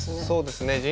そうですね。